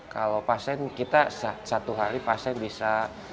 kalau pasien kita satu hari pasien bisa